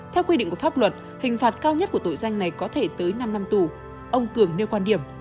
theo quy định của pháp luật hình phạt cao nhất của tội danh này có thể tới năm năm tù ông cường nêu quan điểm